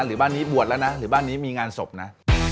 หรือบ้านนี้บวชแล้วนะหรือบ้านนี้มีงานศพนะ